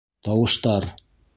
Тауыштар.